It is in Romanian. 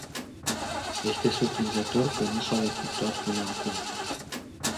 Este surprinzător că nu s-au efectuat până acum.